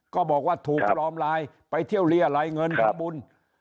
ก็บอกว่าถูกล้อมรายไปเที่ยวเรียรายเงินพระบุญ